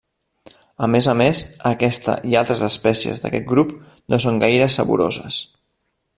A més a més, aquesta i altres espècies d'aquest grup no són gaire saboroses.